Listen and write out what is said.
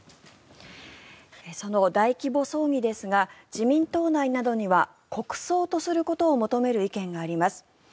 その大規模葬儀ですが自民党内などには国葬とすることを求める意見があります。